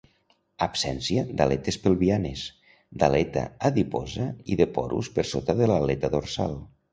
Absència d'aletes pelvianes, d'aleta adiposa i de porus per sota de l'aleta dorsal.